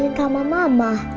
aku juga pinta sama mama